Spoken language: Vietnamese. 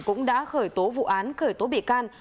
cũng đã khởi tố vụ án khởi tố bị can